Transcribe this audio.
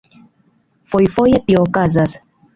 Fojfoje tio okazas.